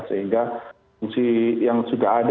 sehingga fungsi yang sudah ada